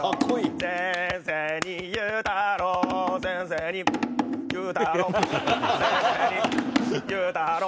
「先生に言うたろ」